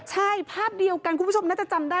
ใช่ภาพเดียวกันคุณผู้ชมน่าจะจำได้